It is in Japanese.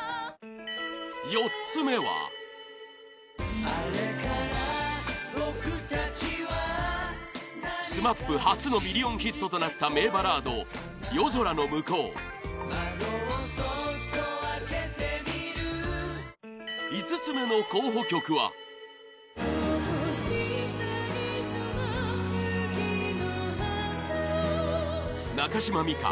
４つ目はＳＭＡＰ初のミリオンヒットとなった名バラード「夜空ノムコウ」５つ目の候補曲は中島美嘉